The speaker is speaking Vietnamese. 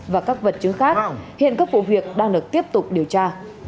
và các vật chứng khác hiện các vụ việc đang được tiếp tục điều tra